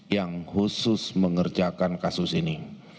yang khusus mengerjakan kasus ini